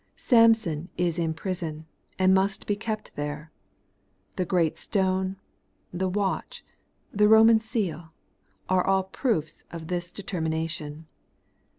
Samson is in prison, and must be kept there. The great stone, the watch, the Eoman seal, are all proofs of ■ this determination.